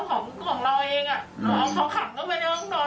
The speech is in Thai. ชั้นสามมันเข้ามาข้างในด้วยมันไล่ลงมาถึงชั้นสองอ่ะ